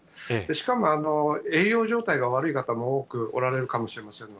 しかも、栄養状態が悪い方も多くおられるかもしれません。